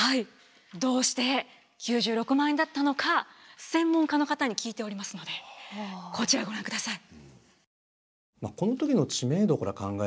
どうして９６万円だったのか専門家の方に聞いておりますのでこちらをご覧ください。